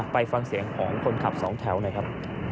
ไปฟังเสียงของคนขับสองแถวหน่อยครับ